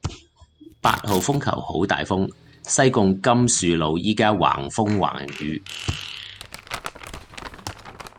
八號風球好大風，西貢甘澍路依家橫風橫雨